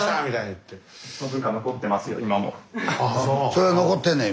それは残ってんねん